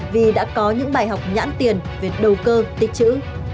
vì đã có những bài học nhãn tiền về đầu cơ tích chữ